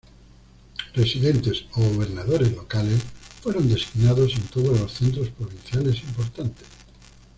Residentes, o gobernadores locales, fueron designados en todos los centros provinciales importantes.